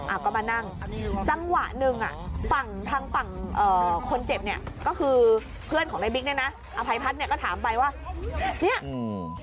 อ่ะก็มานั่งจังหวะหนึ่งอ่ะฝั่งทางฝั่งเอ่อคนเจ็บเนี่ยก็คือเพื่อนของในบิ๊กเนี่ยนะอภัยพัฒน์เนี่ยก็ถามไปว่าเนี้ยอืม